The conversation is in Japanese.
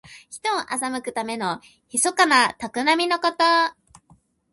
人を欺くためのひそかなたくらみごと。